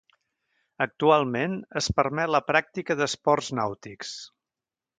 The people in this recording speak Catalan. Actualment, es permet la pràctica d'esports nàutics.